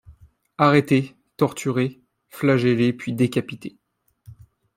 Arrêté, torturé, flagellé puis décapité.